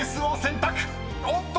［おっと！